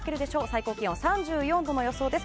最高気温３４度の予想です。